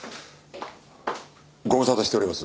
ご無沙汰しております。